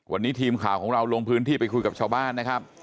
วันนี้ทีมข่าวของเราลงพื้นที่ไปคุยกับชาวบ้านนะครับ